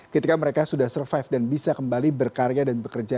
ketika mereka sudah survive dan bisa kembali berkarya dan bekerja